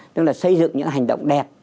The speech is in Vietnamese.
tức là xây dựng những hành động đẹp